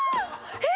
えっ？